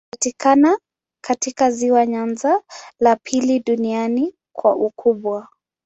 Kinapatikana katika ziwa Nyanza, la pili duniani kwa ukubwa.